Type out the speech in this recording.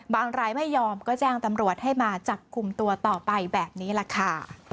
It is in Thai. รายไม่ยอมก็แจ้งตำรวจให้มาจับกลุ่มตัวต่อไปแบบนี้แหละค่ะ